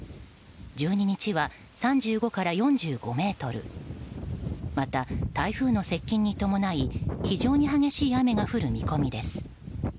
１２日は３５から４５メートルまた、台風の接近に伴い非常に激しい雨が降る見込みです。